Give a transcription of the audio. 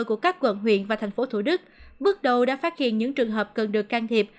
của các quận huyện và thành phố thủ đức bước đầu đã phát hiện những trường hợp cần được can thiệp